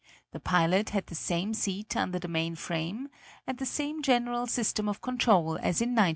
The pilot had the same seat under the main frame, and the same general system of control as in 1903.